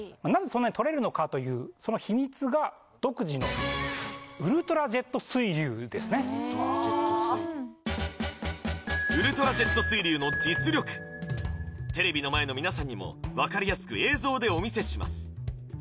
そんなに取れるのかというその秘密がウルトラジェット水流の実力テレビの前のみなさんにもわかりやすく映像でお見せします